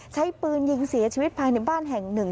ใช้ปืนยิงเสียชีวิตภายในบ้านแห่งหนึ่ง